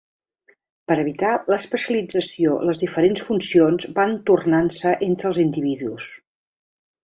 Per evitar l'especialització les diferents funcions van tornant-se entre els individus.